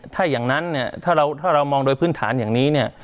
ถ้าอย่างนั้นเนี่ยถ้าเรามองโดยพื้นฐานอย่างนี้เนี่ย